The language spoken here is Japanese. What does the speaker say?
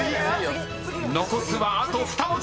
［残すはあと２文字！］